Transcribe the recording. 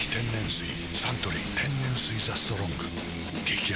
サントリー天然水「ＴＨＥＳＴＲＯＮＧ」激泡